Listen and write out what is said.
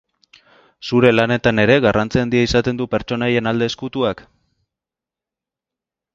Zure lanetan ere garrantzi handia izaten du pertsonaien alde ezkutuak?